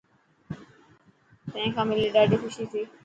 تين کان ملي ڏاڌي خوشي ٿي.